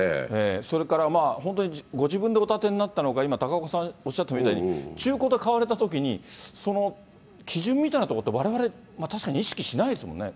それから本当にご自分でお建てになったのか、今、高岡さんおっしゃったみたいに、中古で買われたときに、その基準みたいなところって、われわれ、確かに意識しないですもんね。